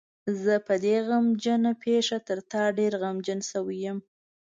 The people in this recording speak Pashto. زه په دې غمجنه پېښه تر تا ډېر غمجن شوی یم.